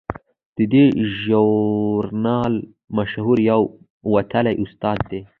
د دې ژورنال مشره یوه وتلې استاده ده.